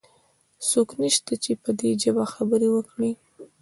څوک نشته چې په دي ژبه خبرې وکړي؟